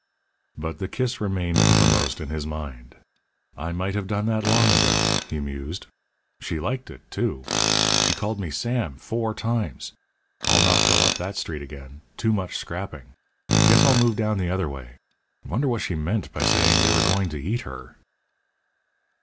But the kiss remained uppermost in his mind. "I might have done that long ago," he mused. "She liked it, too. She called me 'Sam' four times. I'll not go up that street again. Too much scrapping. Guess I'll move down the other way. Wonder what she meant by saying they were going to eat her!"